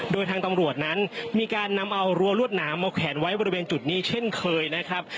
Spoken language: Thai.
โดยทางตำรวจนั้นมีการนำเอารั้วรวดหนามมาแขวนไว้บริเวณจุดนี้เช่นเคยนะครับ